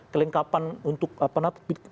kelengkapan untuk apa namanya